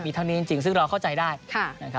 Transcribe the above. มีเท่านี้จริงซึ่งเราเข้าใจได้